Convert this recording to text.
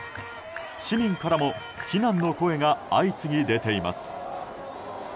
市民からも非難の声が相次ぎ出ています。